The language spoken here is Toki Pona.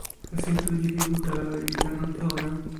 nasin tu ni li utala lili tan ante ona.